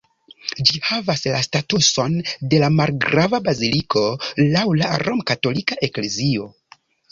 Ĝi havas la statuson de malgrava baziliko laŭ la Romkatolika Eklezio.